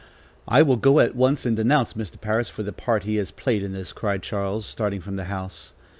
"I will go at once and denounce Mr. Parris for the part he has played in this!" cried Charles, starting from the house.